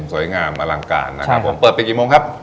สวยงามมะลังกาลนะครับ